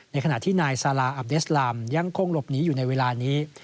ขณะที่นายซาลาอับเดสลามยังคงหลบหนีอยู่ในเวลานี้